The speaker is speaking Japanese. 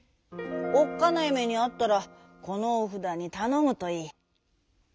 おっかないめにあったらこのおふだにたのむといい」。